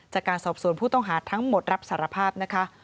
จากการสอบสวนผู้ต้องหาทั้งหมดรับสารภาพนะคะ